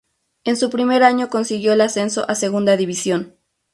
En su primer año consiguió el ascenso a Segunda División.